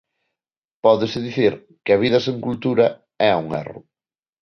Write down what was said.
Pódese dicir que a vida sen cultura é un erro.